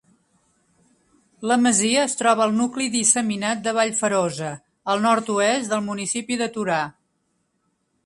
La masia es troba al nucli disseminat de Vallferosa, al nord-oest del municipi de Torà.